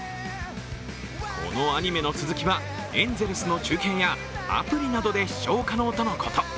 このアニメの続きはエンゼルスの中継やアプリなどで視聴可能とのこと。